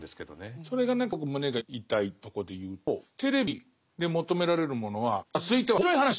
それが何かすごく胸が痛いとこで言うとテレビで求められるものは「さあ続いては面白い話です！」